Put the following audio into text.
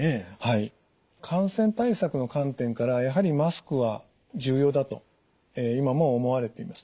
感染対策の観点からやはりマスクは重要だと今も思われています。